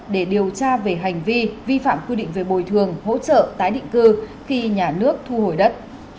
để điều tra về hành vi vi phạm quy định về bồi thường hỗ trợ tái định cư khi nhà nước thu hồi đất